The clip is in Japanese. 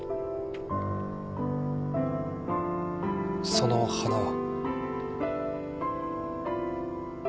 その花は。